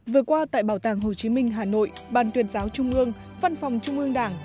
vừa qua tại bảo tàng hồ chí minh hà nội ban tuyên giáo trung ương văn phòng trung ương đảng